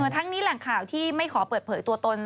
ทั้งนี้แหล่งข่าวที่ไม่ขอเปิดเผยตัวตน